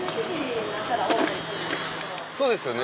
そうですよね